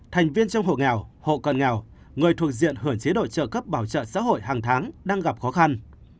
thành viên trong hộ nghèo hộ cận nghèo người thuộc diện hưởng chế độ trợ cấp bảo trợ xã hội hàng tháng đang gặp khó khăn